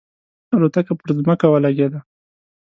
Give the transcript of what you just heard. الوتکه پر ځمکه ولګېده.